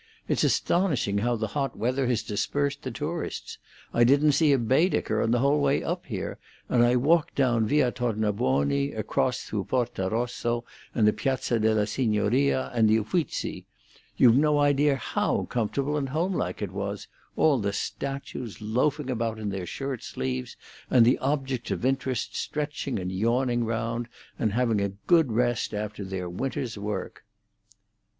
It's astonishing how the hot weather has dispersed the tourists. I didn't see a Baedeker on the whole way up here, and I walked down Via Tornabuoni across through Porta Rosso and the Piazza della Signoria and the Uffizzi. You've no idea how comfortable and home like it was—all the statues loafing about in their shirt sleeves, and the objects of interest stretching and yawning round, and having a good rest after their winter's work."